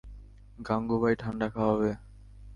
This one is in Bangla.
গাঙুবাই ঠান্ডা খাওয়াবে?